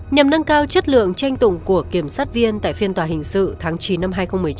nhằm nâng cao chất lượng tranh tụng của kiểm sát viên tại phiên tòa hình sự tháng chín năm hai nghìn một mươi chín